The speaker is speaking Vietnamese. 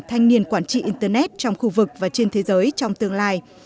thanh niên quản trị internet trong khu vực và trên thế giới trong tương lai